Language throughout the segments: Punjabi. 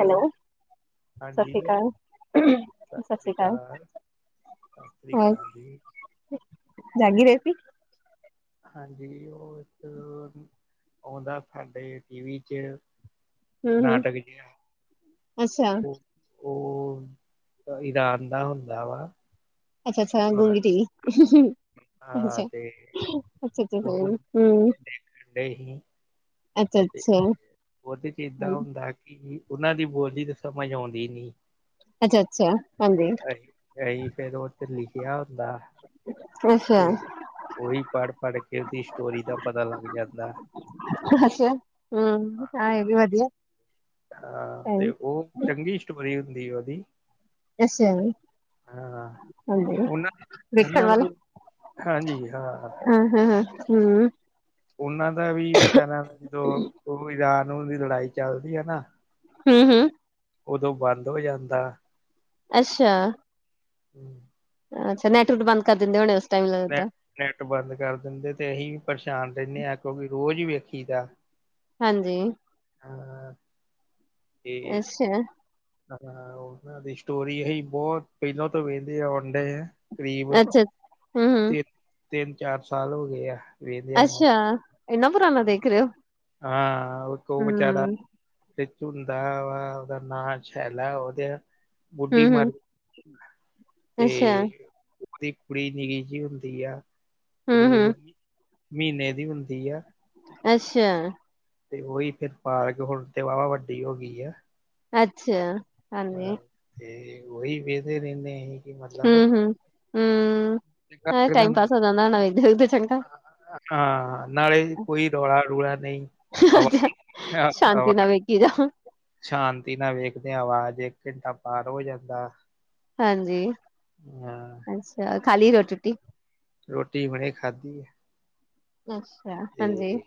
ਹੈਲੋ ਹਾਂਜੀ ਸਤਿ ਸ਼੍ਰੀ ਅਕਾਲ-ਸਤਿ ਸ੍ਰੀ ਅਕਾਲ। ਸਾਸਰੀ ਹੋਰ ਕਾਲ ਜੀ। ਜਾਗੀ ਰਹੇ ਸੀ। ਹਾਂਜੀ ਉਹ ਇੱਕ ਆਉਂਦਾ ਸਾਡੇ ਟੀ ਵੀ 'ਚ ਹੂੰ-ਹੂੰ ਨਾਟਕ ਜਿਹਾ ਅੱਛਾ ਉਹ ਈਰਾਨ ਦਾ ਹੁੰਦਾ ਵਾ। ਅੱਛਾ-ਅੱਛਾ ਹਾਂ ਗੁੰਗੀ ਚਾਹੀ ਹਾਂ ਤੇ ਉਹਨੂੰ ਹੂੰ, ਦੇਖਣ ਡਏ ਸੀ। ਤੇ ਅੱਛਾ-ਅੱਛਾ, ਉਹਦੇ 'ਚ ਏਦਾਂ ਹੁੰਦਾ ਕਿ ਉਹਨਾਂ ਦੀ ਬੋਲੀ ਤਾਂ ਸਮਝ ਆਉਂਦੀ ਨਹੀ ਅੱਛਾ-ਅੱਛਾ ਹਾਂਜੀ। ਅਹੀ ਫਿਰ ਉਹ ਤੇ ਲਿਖਿਆ ਹੁੰਦਾ। ਤੇ ਅੱਛਾ-ਅੱਛਾ, ਉਹੀ ਪੜ੍ਹ-ਪੜ੍ਹ ਕੇ ਉਹਦੀ ਸਟੋਰੀ ਦਾ ਪਤਾ ਲੱਗ ਜਾਂਦਾ। ਅੱਛਾ ਹੂੰ ਹਾਂ ਇਹ ਵੀ ਵਧੀਆ ਹਾਂ ਤੇ ਉਹ ਚੰਗੀ ਸਟੋਰੀ ਹੁੰਦੀ ਉਹਦੀ ਅੱਛਾ ਹਾਂ ਹਾਂਜੀ, ਵੇਖਣ ਉਹਨਾਂ-ਉਹਨਾਂ ਵਾਲਾ ਦੀ ਹਾਂਜੀ ਹਾਂ। ਹਾਂ-ਹਾਂ-ਹਾਂ, ਹੂੰ, ਉਹਨਾਂ ਦਾ ਵੀ ਵਿਚਾਰਾ ਜਦੋਂ ਉਹ ਈਰਾਨ ਦੀ ਲੜਾਈ ਚੱਲਦੀ ਹੈ ਨਾ ਹੂੰ-ਹੂੰ ਉਦੋਂ ਬੰਦ ਹੋ ਜਾਂਦਾ। ਅੱਛਾ ਹੂੰ ਅੱਛਾ ਨੈਟਵਰ ਬੰਦ ਕਰ ਦਿੰਦੇ ਹੋ ਉਸ ਟਾਈਮ ਲਗਦਾ। ਨੈੱਟ ਬੰਦ ਕਰ ਦਿੰਦੇ ਤੇ ਅਸੀਂ ਵੀ ਪਰੇਸ਼ਾਨ ਰਹਿੰਦੇ ਹਾਂ ਕਿਉਕਿ ਰੋਜ਼ ਈ ਵੇਖੀ ਦਾ ਹਾਂਜੀ ਹਾਂ। ਤੇ ਅੱਛਾ ਹਾਂ ਉਹਨਾਂ ਦੀ ਸਟੋਰੀ ਅਹੀ ਬਹੁਤ ਪਹਿਲੋਂ ਤੋਂ ਵਹਿੰਦੇ ਆਉਂਣ ਡੇਏ ਆਂ। ਕਰੀਬ ਅੱਛਾ। ਹੂੰ-ਹੂੰ, ਤਿੰ ਤਿੰਨ ਚਾਰ ਸਾਲ ਹੋ ਗਏ ਆ। ਵੇਖਦਿਆਂ ਨੂੰ ਅੱਛਾ ਇੰਨਾ ਪੁਰਾਣਾ ਦੇਖ ਰਹੇ ਹੋ। ਹਾਂ ਉਹ ਤੋ ਵਿਚਾਰਾ ਹੂੰ, ਵਿਚ ਹੁੰਦਾ ਵਾ ਉਹਦਾ ਨਾਂ ਸ਼ੈਲਾ ਉਹਦੇ ਬੁੱਢੀ ਹੂੰ-ਹੂੰ, ਮਰ ਤੇ ਅੱਛਾ, ਦੀ ਕੁੜੀ ਨਿੱਕੀ ਜਿਹੀ ਹੁੰਦੀ ਆ ਕਰੀਬ ਹੂੰ-ਹੂੰ, ਮਹੀਨੇ ਦੀ ਹੁੰਦੀ ਆ। ਅੱਛਾ ਤੇ ਉਹੀ ਫਿਰ ਪਾਰਕ ਹੁਣ ਤੇ ਵਾਹਵਾ ਵੱਡੀ ਹੋ ਗਈ ਆ। ਅੱਛਾ ਹਾਂਜੀ, ਹਾਂ ਤੇ ਉਹੀ ਵੇਂਦੇ ਰਹਿੰਦੇ ਅਹੀ ਹੂੰ-ਹੂੰ-ਹੂੰ ਸਾਰਾ ਟਾਈਮ ਪਾਸ ਹੋ ਜਾਂਦਾ ਹੋਣਾ ਇਧਰ ਉਧਰ ਚੰਗਾ ਹਾਂ ਨਾਲੇ ਕੋਈ ਰੌਲਾ ਰੂਲਾ ਨਹੀਂ ਹਵਾ ਅੱਛਾ, ਸ਼ਾਂਤੀ ਨਾਲ ਵੇਖੀ ਜਾਉ। ਸ਼ਾਂਤੀ ਨਾਲ ਵੇਖਦੇ ਹ ਆਵਾਜ਼ ਇੱਕ ਘੰਟਾ ਪਾਰ ਹੋ ਜਾਂਦਾ। ਹਾਂਜੀ ਹਾਂ ਅੱਛਾ ਖਾ ਲਈ ਰੋਟੀ ਰੁਟੀ ਰੋਟੀ ਹੁਣੇ ਖਾਧੀ ਹੈ। ਅੱਛਾ ਹਾਂਜੀ, ਤੇ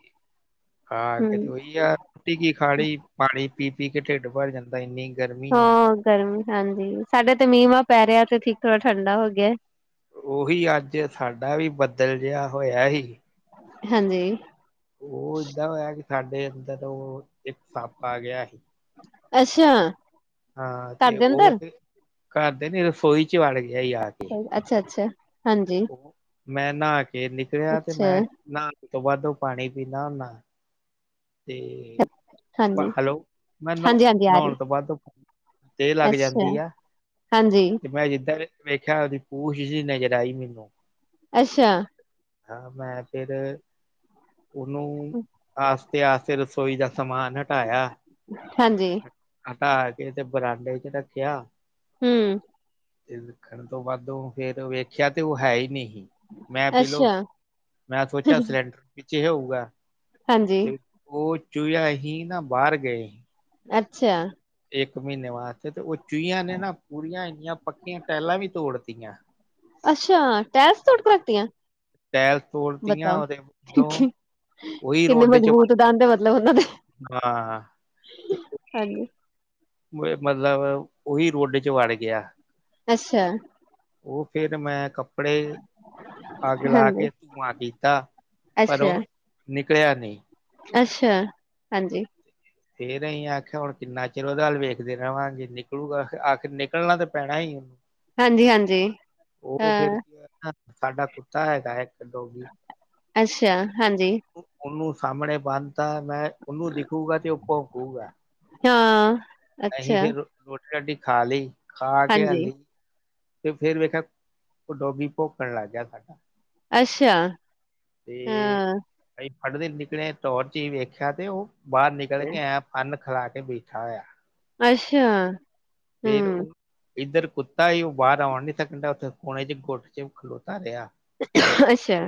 ਖਾ ਹੂੰ। ਕੇ ਤੇ ਉਹੀ ਆ ਰੋਟੀ ਕੀ ਖਾ ਲੀ ਪਾਣੀ ਪੀ-ਪੀ ਕੇ ਢਿੱਡ ਭਰ ਜਾਂਦਾ ਇੰਨੀ ਗਰਮੀ ਆ। ਹਾਂ ਗਰਮੀ ਹਾਂਜੀ ਸਾਡੇ ਤੇ ਮੀਂਹ ਮਾਂ ਪੈ ਰਿਹਾ ਤੇ ਠੀਕ ਥੋੜ੍ਹਾ ਠੰਡਾ ਹੋ ਗਿਆ। ਉਹੀ ਅੱਜ ਸਾਡਾ ਵੀ ਬਦਲ ਜਿਹਾ ਹੋਇਆ ਹੀ। ਹਾਂਜੀ ਉਹ ਏਦਾਂ ਹੋਇਆ ਕਿ ਸਾਡੇ ਅੰਦਰ ਉਹ ਇੱਕ ਸੱਪ ਆ ਗਿਆ ਸੀ। ਅੱਛਾ। ਹਾਂ ਘਰ ਤੇ ਦੇ ਉਹ ਅੰਦਰ, ਫਿਰ ਘਰ ਦੇ ਨੀ ਰਸੋਈ ਚ ਵੜ ਗਿਆ ਆ ਕੇ। ਅੱਛਾ ਅੱਛਾ ਹਾਂਜੀ। ਮੈਂ ਨਹਾ ਕੇ ਨਿਕਲਿਆ ਤੇ ਅੱਛਾ, ਮੈਂ ਨਹਾਣ ਤੋਂ ਬਾਅਦ ਉਹ ਪਾਣੀ ਪੀਂਦਾ ਹੁੰਦਾ। ਤੇ ਹਾਂਜੀ, ਹੈਲੋ ਮੈਂ ਨਹੀਂ ਹਾਂਜੀ-ਹਾਂਜੀ ਆ ਰਹੀ, ਨਹਾਉਣ ਤੋਂ ਬਾਅਦ ਤੇ ਲੱਗ ਅੱਛਾ, ਜਾਂਦੀ ਆ ਹਾਂਜੀ, ਤੇ ਮੈਂ ਜਿੱਦਾਂ ਵੇਖਿਆ ਉਹਦੀ ਪੂਛ ਜੀ ਨਜ਼ਰ ਆਈ ਮੈਨੂੰ। ਅੱਛਾ। ਹਾਂ ਮੈਂ ਫਿਰ ਉਹਨੂੰ ਆਸਤੇ ਆਸਤੇ ਰਸੋਈ ਦਾ ਸਮਾਨ ਹਟਾਇਆ। ਹਾਂਜੀ। ਹਟਾ ਕੇ ਤੇ ਬਰਾਂਡੇ ਚ ਰੱਖਿਆ। ਹਮ। ਤੇ ਦੇਖਣ ਤੋਂ ਬਾੱਧ ਫੇਰ ਵੇਖਿਆ ਤੇ ਉਹ ਹੈ ਹੀ ਨਹੀਂ ਸੀ। ਮੈਂ ਪੀਲੋ ਅੱਛਾ, ਮੈਂ ਸੋਚਿਆ ਸਿਲੰਡਰ ਪਿੱਛੇ ਹੋਊਗਾ ਹਾਂਜੀ, ਤੇ ਉਹ ਚੂਹੀਆਂ ਹੀ ਨਾ ਬਾਹਰ ਗਏ। ਅੱਛਾ। ਇੱਕ ਮਹੀਨੇ ਵਾਸਤੇ ਤੇ ਉਹ ਚੂਹੀਆਂ ਨੇ ਨਾ ਪੂਰੀਆਂ ਇੰਨੀਆਂ ਪੱਕੀਆਂ ਟਾਇਲਾਂ ਵੀ ਤੋੜਤੀਆਂ। ਅੱਛਾ ਟਾਈਲਸ ਤੋੜ ਕੇ ਰੱਖਤੀਆਂ। ਟਾਈਲਸ ਤੋੜਤੀਆਂ ਬਤਾਓ ਉਹਦੇ ਦੋਂ ਉਹੀ ਕਿੰਨੇ ਰੋਡੇ ਚ ਮਜ਼ਬੂਤ ਦੰਦ ਮਤਲਬ ਉਹਨਾਂ ਦੇ ਹਾਂ ਤੇ ਹਾਂਜੀ। ਮਤਲਬ ਉਹੀ ਰੋਡ ਚ ਵੜ ਗਿਆ। ਅੱਛਾ। ਉਹ ਫਿਰ ਮੈਂ ਕੱਪੜੇ ਅੱਗ ਲਾ ਹਾਂਜੀ, ਕੇ ਧੂੰਆਂ ਕੀਤਾ ਪਰ ਅੱਛਾ, ਉਹ ਨਿਕਲਿਆ ਨਹੀਂ। ਅੱਛਾ ਹਾਂਜੀ। ਫੇਰ ਅਸੀਂ ਆਖਿਆ ਹੁਣ ਕਿੰਨਾ ਚਿਰ ਉਹਦਾ ਹੱਲ ਵੇਖਦੇ ਰਹਾਂ ਜੇ ਨਿਕਲੂਗਾ ਆਖਿਰ ਨਿਕਲਣਾ ਤੇ ਪੈਣਾ ਉਹਨੂੰ ਹਾਂਜੀ, ਹਾਂਜੀ, ਉਹ ਫਿਰ ਹਾਂ, ਕੀ ਸਾਡਾ ਕੁੱਤਾ ਹੈਗਾ ਹੈ ਇੱਕ ਡੋਵੀ। ਅੱਛਾ ਹਾਂਜੀ। ਉਹਨੂੰ ਸਾਹਮਣੇ ਬਣਤਾ ਮੈਂ ਉਹਨੂੰ ਦਿਖੂਗਾ ਤੇ ਉਹ ਭੋਂਕੂਗਾ ਹਾਂ, ਅਸੀਂ ਅੱਛਾ, ਫੇਰ ਰੋਟੀ ਰੋਟੀ ਖਾ ਲਈ ਖਾ ਕੇ ਹਾਂਜੀ, ਹਲੀ ਤੇ ਫੇਿਰ ਵੇਖਿਆ ਉਹ ਡੋਗੀ ਭੋਕਣ ਲੱਗ ਗਿਆ ਸਾਡਾ। ਅੱਛਾ, ਤੇ ਹਾਂ, ਭਾਈ ਫੜਦੇ ਨਿਕਲੇ ਟੌਰ ਚ ਹੀ ਵੇਖਿਆ ਤੇ ਉਹ ਬਾਹਰ ਨਿਕਲ ਕੇ ਆਇਆ। ਅੰਨ ਖਿਲਾ ਕੇ ਬੈਠਾ ਹੋਇਆ। ਅੱਛਾ। ਫੇਰ ਹੂੰ, ਉਹ ਇੱਧਰ ਕੁੱਤਾ ਹੀ ਉਹ ਬਾਹਰ ਆਉਣ ਨੀ ਸਕਣਦਾ ਉੱਥੇ ਕੋਣੇ ਚ ਗੁੱਟ ਚ ਖਲੋਤਾ ਰਿਹਾ। ਅੱਛਾ,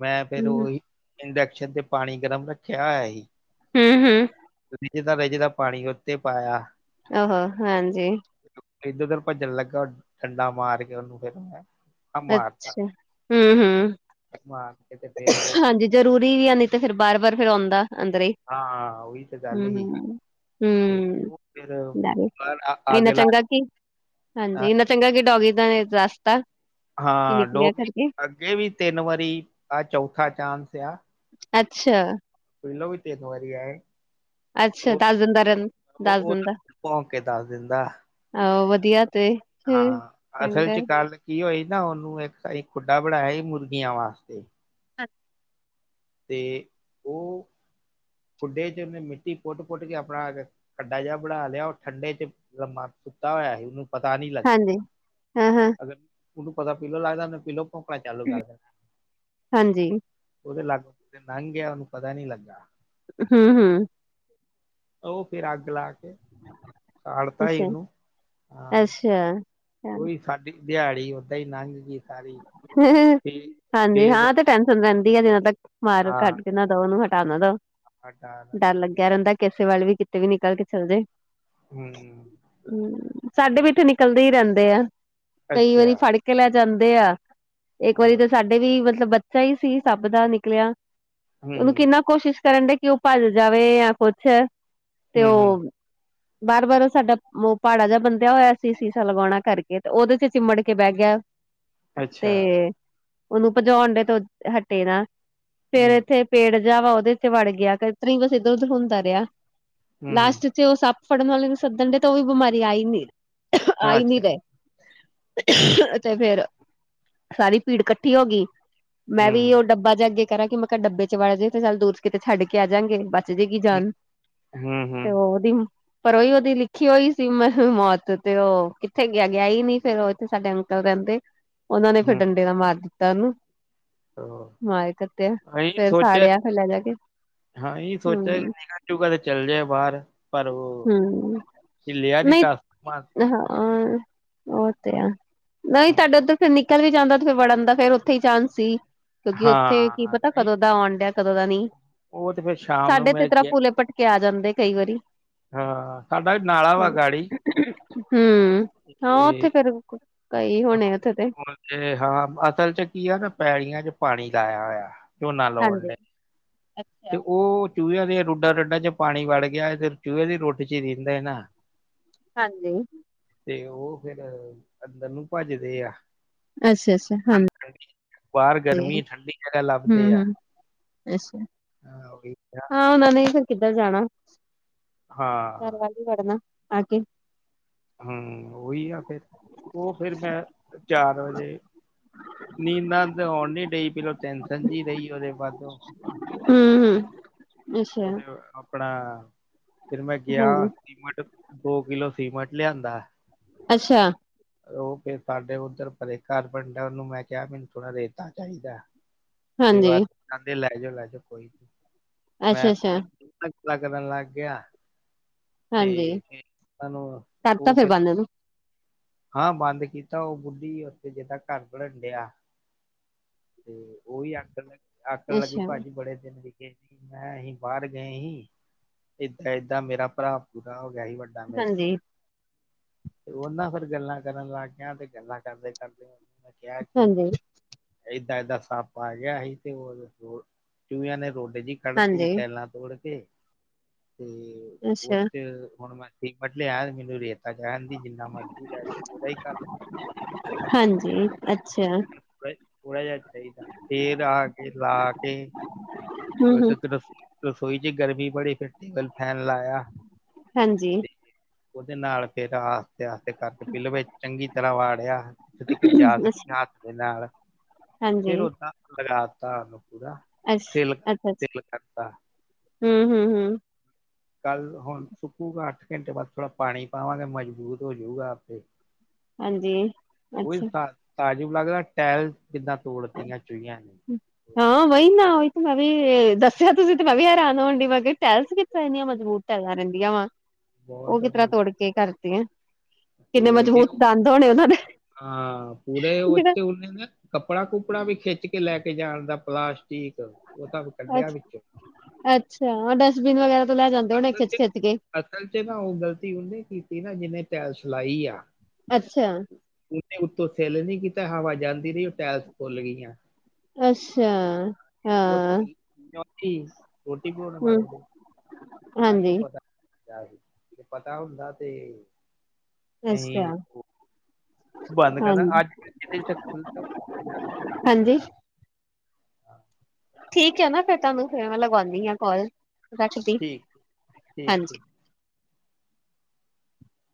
ਮੈਂ ਫੇਿਰ ਹੂੰ, ਉਹੀ ਇੰਡਕਸ਼ਨ ਤੇ ਪਾਣੀ ਗਰਮ ਰੱਖਿਆ ਹੈਆ ਹੀ। ਹਮ ਹਮ। ਰਜ ਦਾ ਰਹਿਜ ਦਾ ਪਾਣੀ ਉੱਥੇ ਪਾਇਆ। ਆਜੋ ਹਾਂਜੀ। ਐਧਰ ਧੋਧਰ ਭੱਜਣ ਲੱਗਾ ਡੰਡਾ ਮਾਰ ਕੇ ਉਹਨੂੰ ਫਿਰ ਮੈਂ। ਆ ਅੱਛਾ ਹਮ ਹਮ। ਮ ਕਿਤੇ ਫੇਰੋ ਜ਼ਰੂਰੀ ਵੀ ਆ ਨਹੀਂ ਤੇ ਫਿਰ ਬਾਰ ਵਾਰ ਫੇਰ ਆਉਂਦਾ ਅੰਦਰ ਹੀ ਹਾਂ ਉਹੀ ਤੇ ਗੱਲ ਹੀ। ਹੂੰ। ਤੇ ਹੂੰ ਉਹ ਫਿਰ ਡਾਰੇ ਅੱਗ ਇੰਨਾ ਲਾ ਚੰਗਾ ਕਿ ਹਾਂ ਹਾਂਜੀ ਇੰਨਾ ਚੰਗਾ ਕਿ ਡੋਗੀ ਦਾ ਰਸਤਾ ਕੀ ਹਾਂ ਨਿਕਲਿਆ ਡੋਗੀ ਕਰਕੇ ਅੱਗੇ ਵੀ ਤਿੰਨ ਵਾਰੀ ਆਹ ਚੌਥਾ ਚਾਂਸ ਆ। ਅੱਛਾ ਪਹਿਲੋਂ ਵੀ ਤਿੰਨ ਵਾਰੀ ਆਏ। ਅੱਛਾ ਉਹ, ਦੱਸ ਦਿੰਦਾ ਰਹਿੰ ਦੱਸ ਉਹ ਦਿੰਦਾ ਭੋਂਕ ਕੇ ਦੱਸ ਦਿੰਦਾ। ਆਹੋ ਵਧੀਆ ਤੇ। ਹੂੰ। ਹਾਂ ਅਸਲ ਚੰਗਾ ਚ ਗੱਲ ਕੀ ਹੋਈ ਨਾ ਉਹਨੂੰ ਇੱਕ ਖੁੱਡਾ ਬਣਾਇਆ ਸੀ ਮੁਰਗੀਆਂ ਵਾਸਤੇ। ਅੱ ਅਤੇ ਉਹ ਖੁੱਡੇ ਚ ਉਹਨੇ ਮਿੱਟੀ ਪੁੱਟ-ਪੁੱਟ ਕੇ ਆਪਣਾ ਅੱਡਾ ਜਿਹਾ ਬਣਾ ਲਿਆ ਉਹ ਠੰਡੇ ਚ ਲੰਮਾ ਸੁੱਤਾ ਹੋਇਆ ਸੀ ਉਹਨੂੰ ਪਤਾ ਨੀ ਲੱਗ ਹਾਂਜੀ ਹਾਂ-ਹਾਂ ਅਗਰ ਉਨੂੰ ਪਤਾ ਪੀਲੋ ਲੱਗਦਾ ਉਹਨੂੰ ਪੀਲੋ ਭੋਂਕਨਾ ਚਾਲੂ ਕਰ ਦੇਣਾ ਹਾਂਜੀ ਉਦੇ ਲਾਗੋ ਤੇ ਲੰਘ ਗਿਆ ਉਹਨੂੰ ਪਤਾ ਨੀ ਲੱਗਾ। ਹੂੰ-ਹੂੰ। ਉਹ ਫਿਰ ਅੱਗ ਲਾ ਕੇ ਸਾੜਤਾ ਹੀ ਅੱਛਾ। ਇਹਨੂੰ ਹਾਂ। [unintelligible] ਉਹੀ ਸਾਡੀ ਦਿਹਾੜੀ ਓਦਾਂ ਹੀ ਲੰਘ ਗਈ ਸਾਰੀ। ਤੇ ਹਾਂਜੀ ਫੇਰ ਹਾਂ ਤੇ ਟੈਨਸ਼ਨ ਰਹਿੰਦੀ ਆ ਜਨਾਂ ਤੱਕ ਮਾਰ ਹਾਂ ਘੱਟ ਨਾ ਦਓ ਉਹਨੂੰ ਹਟਾਉਣਾ ਦਓ ਹਟਾ ਨਾ ਡਰ ਦਈਏ ਲੱਗਿਆ ਰਹਿੰਦਾ ਕਿਸੇ ਵਾਲੇ ਵੀ ਕਿਤੇ ਵੀ ਨਿਕਲ ਕੇ ਚੱਲ ਜੇ। ਹੂੰ ਹਮ ਸਾਡੇ ਵੀ ਇੱਥੇ ਨਿਕਲਦੇ ਹੀ ਰਹਿੰਦੇ ਆ ਕਈ ਅੱਛਾ ਵਾਰੀ ਫੜ ਕੇ ਲੈ ਜਾਂਦੇ ਆ। ਇੱਕ ਵਾਰੀ ਆਹਾ ਤੇ ਸਾਡੇ ਵੀ ਮਤਲਬ ਬੱਚਾ ਹੀ ਸੀ ਸਭ ਦਾ ਨਿਕਲਿਆ ਹੂੰ ਉਹਨੂੰ ਕਿੰਨਾ ਕੋਸ਼ਿਸ਼ ਕਰਨ ਡੇ ਕਿ ਉਹ ਭੱਜ ਜਾਵੇ ਯਾ ਕੁਛ ਤੇ ਹੂੰ ਉਹ ਬਾਰ-ਬਾਰ ਉਹ ਸਾਡਾ ਉਹ ਪਹਾੜਾ ਜਿਹਾ ਬੰਦਿਆ ਹੋਇਆ ਸੀ ਸ਼ੀਸ਼ਾ ਲਗਾਉਣਾ ਕਰਕੇ ਤੇ ਉਹਦੇ ਚ ਚਿੰਮੜ ਕੇ ਬਹਿ ਗਿਆ। ਤੇ ਅੱਛਾ ਉਹਨੂੰ ਭਜਾਉਣ ਦੇ ਤੋਂ ਹਟੇ ਨਾ ਫੇਰ ਹੂੰ ਇੱਥੇ ਪੇੜ ਜਿਹਾ ਵਾ ਉਹਦੇ ਤੇ ਵੜ ਗਿਆ ਕ ਤਰ ਹੀ ਬਸ ਇੱਧਰ ਉਧਰ ਹੁੰਦਾ ਰਿਹਾ ਹੂੰ ਲਾਸਟ ਜੇ ਉਹ ਸੱਪ ਫੜਨ ਵਾਲੇ ਵੀ ਸਦਨ ਡੇ ਤੇ ਉਹ ਵੀ ਬਿਮਾਰੀ ਆਈ ਨੀ ਆ ਹੀ ਨੀ ਅੱਛਾ ਰਹੇ। ਤੇ ਫੇਰ ਸਾਰੀ ਭੀੜ ਕੱਠੀ ਹੋ ਗਈ ਮੈਂ ਵੀ ਉਹ ਹੂੰ ਡੱਬਾ ਜਾ ਅਗੇ ਕਰਾਂ ਕਿ ਮੈਂ ਕਿਹਾ ਡੱਬੇ ਚ ਵੜ ਜਾੇ ਤੇ ਚੱਲ ਦੂਰ ਕਿਤੇ ਛੱਡ ਕੇ ਆ ਜਾਂਗੇ ਬਸ ਦੇ ਕੀ ਹੂੰ ਜਾਣ ਹੂੰ ਤੇ ਉਹਦੀ ਪਰ ਉਹੀ ਉਹਦੀ ਲਿਖੀ ਹੋਈ ਸੀ ਮੈਂ ਮੌਤ ਤੇ ਉਹ ਕਿੱਥੇ ਗਿਆ ਗਿਆ ਹੀ ਨ ਫੇਰ ਉਹ ਇੱਥੇ ਸਾਡੇ ਅੰਕਲ ਰਹਿੰਦੇ ਉਹਨਾਂ ਨੇ ਫਿਰ ਡੰਡੇ ਦਾ ਮਾਰ ਦਿੱਤਾ ਉਹਨੂੰ। ਹਾਂ ਮਾਰ ਕੱਟਿਆ ਅਸੀਂ ਫੇਰ ਸੋਚਿਆ ਸਾੜਿਆ ਸੀ ਫੇਰ ਲੈ ਜਾ ਕੇ ਹਾਂ ਇਹ ਸੋਚਿਆ ਕਿ ਹੂੰ ਨਿਕਲ ਜੂਗਾ ਤੇ ਚੱਲ ਜਾਏ ਬਾਰ ਪਰ ਉਹ ਹੂੰ ਹਿਲਿਆ ਨੀ ਨਹੀਂ ਟਸਕ-ਮਸਕ। ਹਾਂ ਉਹ ਤੇ ਹੈ ਨਈ ਤੁਹਾਡੇ ਉਧਰ ਨਿਕਲ ਵੀ ਜਾਂਦਾ ਤੇ ਫੇਰ ਵੜਨ ਦਾ ਫੇਰ ਉੱਥੇ ਹੀ ਚਾਂਸ ਸੀ ਕਿਉਂਕਿ ਉੱਥੇ ਕੀ ਹਾਂ ਪਤਾ ਨਹੀਂ ਕਦੋਂ ਦਾ ਆਉਣ ਡਿਆ। ਕਦੋਂ ਦਾ ਨੀ ਉਹ ਤੇ ਫੇਰ ਸ਼ਾਮ ਨੂੰ ਸਾਡੇ ਤੇ ਮੈਂ ਤਰ੍ਹਾਂ ਗਿਆ ਪੂਲੇ ਭਟਕੇ ਆ ਜਾਂਦੇ ਕਈ ਵਾਰੀ। ਹਾਂ ਸਾਡਾ ਵੀ ਨਾਲਾ ਵਾ ਗਾਡੀ। ਹਮ ਹਾਂ ਉੱਥੇ ਫੇਰ ਕਈ ਹੋਣੇ ਉੱਥੇ ਤੇ। ਤੇ ਹਾਂ ਅਸਲ ਚ ਕੀ ਆ ਨਾ ਪੈੜੀਆਂ ਚ ਪਾਣੀ ਲਾਇਆ ਹੋਇਆ ਝੋਨਾ ਲਾਉਣ ਹਾਂਜੀ, ਡੇ। ਅੱਛਾ, ਤੇ ਉਹ ਚੂਹਿਆਂ ਦੇ ਰੂਡਾ ਰਡਾ ਚ ਪਾਣੀ ਵੜ ਗਿਆ ਫਿਰ ਚੂਹੇ ਦੀ ਰੁਟ ਚ ਹੀ ਰਹਿੰਦਾ ਹੈ ਨਾ। ਹਾਂਜੀ ਤੇ ਉਹ ਫੇਰ ਅੰਦਰ ਨੂੰ ਭੱਜਦੇ ਆ। ਅੱਛਾ-ਅੱਛਾ ਹਨ ਬਾਰ ਗਰਮੀ ਠੰਡੀ ਜਗ੍ਹਾ ਲੱਭਦੇ ਆ। ਹੂੰ-ਹੂੰ, ਅੱਛਾ ਐ ਹੋ [unintelligible] ਉਹਨਾਂ ਨੇ ਫਿਰ ਕਿੱਧਰ ਜਾਣਾ ਘਰ ਹਾਂ ਵੱਲ ਹੀ ਵੜਨਾ ਆ ਕੇ। ਹਮ ਉਹੀ ਆ ਫਿਰ ਉਹ ਫੇਰ ਮੈਂ ਚਾਰ ਵਜੇ ਨੀਦਰ ਤੇ ਓਨ ਨੀ ਡਈ ਪੇਲੋ ਟੈਨਸ਼ਨ ਜੀ ਰਹੀ ਓਦੇ ਬਾਦੋ। ਹੂੰ-ਹੂੰ ਅੱਛਾ। ਉਹਦੇ ਆਪਣਾ ਫੇਰ ਮੈਂ ਗਿਆ ਹਾਂਜੀ। ਸੀਮਟ ਦੋ ਕਿਲੋ ਸੀਮਿੰਟ ਲਿਆਂਦਾ। ਅੱਛਾ ਉਹ ਫੇਰ ਸਾਡੇ ਉੱਧਰ ਪਰੇ ਘਰ ਬੰਦਾ ਉਹਨੂੰ ਮੈਂ ਕਿਹਾ ਮੈਨੂੰ ਥੋੜਾ ਰੇਤਾ ਚਾਹੀਦਾ। [inaudible] ਤੇ ਕੇਦੇ ਲੈ ਜਾਓ ਲੈ ਜਾਓ ਕੋਈ ਨੀ ਮੈਂ [inaudible] ਅੱਛਾ-ਅੱਛਾ, ਗੱਲਾਂ ਕਰਨ ਲੱਗ ਗਿਆ ਤੇ ਹਾਂਜੀ, ਸਾਨੂੰ ਕਰਤਾ ਫੇਰ ਬੰਦ ਇਹਨੂੰ। ਹਾਂ ਬੰਦ ਕੀਤਾ ਉਹ ਬੁੱਢੀ ਉੱਥੇ ਜਿੱਦਾਂ ਘਰ ਬਣਨ ਡਿਆ ਤੇ ਉਹੀ ਆਖਣ ਲੱ ਆਖਣ ਲੱਗੀ ਅੱਛਾ, ਭਾਜੀ ਬੜੇ ਦਿਨ ਦੀ ਮੈਂ ਅਸੀਂ ਬਾਹਰ ਗਏ ਸੀ ਏਦਾਂ-ਏਦਾਂ ਮੇਰਾ ਭਰਾ ਪੂਰਾ ਹੋ ਗਿਆ ਸੀ ਵੱਡ [unintelligible] ਹਾਂਜੀ। ਤੇ ਉਹ ਨਾ ਫੇਰ ਗੱਲਾਂ ਕਰਨ ਲੱਗ ਗਿਆ ਤੇ ਗੱਲਾਂ ਕਰਦੇ-ਕਰਦੇ ਉਹਨਾਂ ਨੇ ਕਿਹਾ ਕਿ ਹਾਂਜੀ। ਏਦਾਂ-ਏਦਾਂ ਸੱਪ ਆ ਗਿਆ ਸੀ ਤੇ ਉਹ ਚੂਿਆਂ ਨੇ ਰੋਡ ਜੀ ਕੱੜਤੀ ਹਾਂਜੀ, ਟਾਇਲਾਂ ਤੋੜ ਕੇ ਤੇ ਅੱਛਾ, ਉਥੇ ਹੁਣ ਮੈਂ ਸੀਮਟ ਲਿਆਇਆ ਮੈਨੂੰ ਰੇਤਾ ਜਾਹਿਣ ਦੀ ਜਿੰਨਾ ਮਰਜ਼ੀ ਲੈ ਜਾਓ ਉਹਦਾ ਹੀ ਘਰ ਗਿਆ ਹਾਂਜੀ ਅੱਛਾ। ਥੋੜਾ ਜਿਹਾ ਚਾਹੀਦਾ ਫੇਰ ਆ ਕੇ ਲਾ ਕੇ ਹੂੰ-ਹੂੰ, ਰਸੋਈ ਚ ਗਰਮੀ ਬੜੀ ਪੈਂਦੀ ਟੇਬਲ ਫੈਨ ਲਾਇਆ। ਹਾਂਜੀ ਤੇ ਉਹਦੇ ਨਾਲ ਫੇਰ ਆ ਕਰਕੇ ਪੀਲ ਚੰਗੀ ਤਰ੍ਹਾਂ ਵਾੜਿਆ ਤੁਸੀ ਜਾ ਅੱਛਾ, ਸਕਦੇ ਹ ਹੱਥ ਦੇ ਨਾਲ ਫੇਰ ਹਾਂਜੀ, ਉਦਾ ਲਗਾਤਾ ਉਨੂੰ ਪੂਰਾ। ਅੱਛ, ਅੱਛਾ [unintelligible] ਹੂੰ-ਹੂੰ, ਹੂੰ। ਕੱਲ ਹੁਣ ਸੁੱਕੂਗਾ ਅੱਠ ਘੰਟੇ ਬਾਦ ਥੋੜ੍ਹਾ ਪਾਣੀ ਪਾਵਾਂਗੇ ਮਜ਼ਬੂਤ ਹੋ ਜੂਗਾ ਆਪੇ। ਹਾਂਜੀ ਉਹੀ ਅੱਛਾ ਤਾਜੁਬ ਲੱਗਦਾ ਟਾਇਲ ਕਿੱਦਾਂ ਤੋੜਤੀਆ ਚੂਹੀਆ ਨੇ। ਹਾਂ ਵਹੀ ਨਾ ਉਹੀ ਤੇ ਮੈਂ ਵੀ ਦੱਸਿਆ ਤੁਸੀਂ ਤੇ ਮੈਂ ਵੀ ਹੈਰਾਨ ਹੋਣ ਡੀ ਮੈਂ ਕਿ ਟੈਲਸ ਕਿਸ ਤਰ੍ਹਾਂ ਇੰਨੀਆਂ ਮਜਬੂਤ ਟਲਾਂ ਰਹਿੰਦੀਆਂ ਵਾ ਬਹੁਤ ਉਹ ਕਿਸ ਤਰ੍ਹਾਂ ਜ਼ਿਆਦਾ ਤੋੜ ਕੇ ਕਰਤੀਆ। ਤੋੜ ਕੇ ਹਾਂ ਪੂਰੇ ਜਿਹੜਾ ਉੱਤੇੇ ਉਨੇ ਨਾ ਕੱਪੜਾ ਕੁਪੜਾ ਵੀ ਖਿੱਚ ਕੇ ਲੈ ਕੇ ਜਾਣ ਦਾ ਪਲਾਸਟਿਕ ਉਹਤਾ ਵੀ ਕੱਢਿਆ ਅੱਛਾ ਵਿੱਚੋ। ਅੱਛਾ ਉਹ ਡਸਟਬਿਨ ਵਗੈਰਾ ਤੋਂ ਲੈ ਜਾਂਦੇ ਹਣੇ ਅਸਲ ਚ ਖਿੱਚ-ਖਿੱਚ ਕੇ। ਅਸਲ ਚ ਨਾ ਉਹ ਗ਼ਲਤੀ ਉਹਨੇ ਕੀਤੀ ਨਾ ਜਿਹਨੇ ਟੈਲਸ ਲਾਈ ਆ। ਅੱਛਾ। ਨੇ ਉੱਤੋ ਸਿਲ ਨੀ ਕੀਤਾ ਹਵਾ ਜਾਂਦੀ ਰਹੀ ਉਹ ਟਾਇਰਸ ਫੁਲ ਗਈਆ। ਅੱਛਾ। [inaudible] [unintelligible] ਹਾਂ ਹਮ ਹਾਂਜੀ ਜੇ ਪਤਾ ਹੁੰਦਾ ਤੇ ਅਸੀਂ [inaudible] ਬੰਦ ਕਰਦਾ ਹਾਂਜੀ [inaudible] ਹਾਂਜੀ [inaudible] ਠੀਕ ਹੈ ਨਾ ਫਿਰ ਤੁਹਾਨੂੰ ਫੇਰ ਮੈਂ ਲਗਾਉਂਦੀ ਹਾਂ ਕੋਲ ਰੱਖਦੀ ਠੀਕ ਠੀਕ ਠੀਕ ਹਾਂਜੀ।